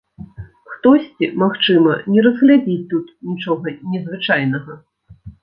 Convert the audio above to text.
Хтосьці, магчыма, не разглядзіць тут нічога незвычайнага.